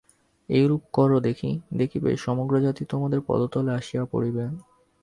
এইরূপ কর দেখি! দেখিবে, সমগ্রজাতি তোমাদের পদতলে আসিয়া পড়িবে।